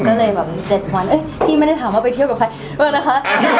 ก็เลยแบบเจ็ดวันพี่ไม่ได้ถามว่าไปเที่ยวกับใครไม่ได้ค่ะ